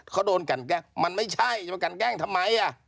เขาโดนกันแกล้งมันไม่ใช่จะมากันแกล้งทำไม